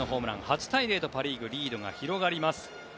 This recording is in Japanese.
８対０とパ・リーグリードが広がります。